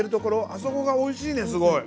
あそこがおいしいねすごい。